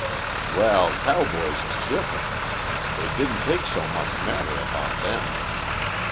"Well, cowboys is different. It didn't so much matter about them.